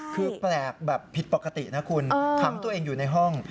คือแปลกแบบผิดปกตินะคุณขังตัวเองอยู่ในห้อง